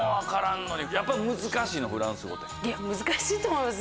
難しいと思います